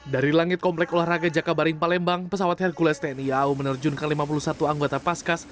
dari langit komplek olahraga jakabaring palembang pesawat hercules tni au menerjunkan lima puluh satu anggota paskas